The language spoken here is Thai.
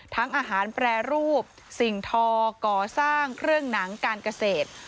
อาหารแปรรูปสิ่งทอก่อสร้างเครื่องหนังการเกษตร